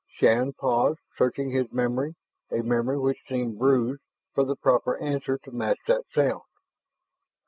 Shann paused, searching his memory, a memory which seemed bruised, for the proper answer to match that sound.